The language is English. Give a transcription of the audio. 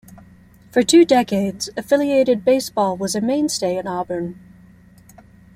For two decades, affiliated baseball was a mainstay in Auburn.